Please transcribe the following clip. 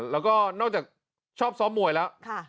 แล้วก็นอกจากชอบซ้อมมวยแล้ว